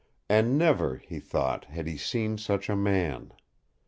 And never, he thought, had he seen such a man.